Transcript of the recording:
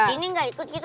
ini gak ikut gitu